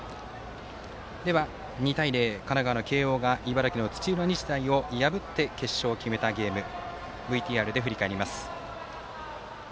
２対０、神奈川、慶応が茨城の土浦日大を破って決勝を決めたゲームＶＴＲで振り返ります。